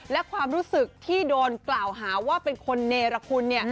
และความรู้สึกที่โดนกล่าวหาว่าเป็นคนเนรคุณ